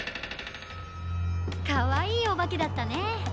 かわいいおばけだったね。